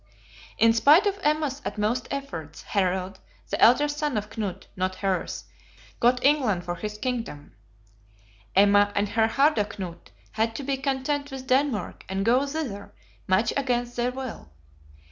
In spite of Emma's utmost efforts, Harald, the elder son of Knut, not hers, got England for his kingdom; Emma and her Harda Knut had to be content with Denmark, and go thither, much against their will.